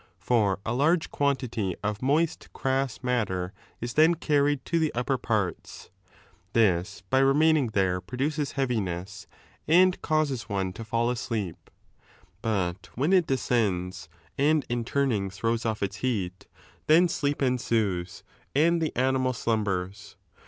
For a large quantity of moist crass 9 .tter is then carried to the npper parts. Thia by there produces heaviness and causes one to ■fim asleep. But when it descends and in turning Uirows off its heat, then sleep ensues and the animal slumbers.